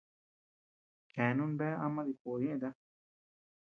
Cheanun bea ama dikuoʼo ñeeta.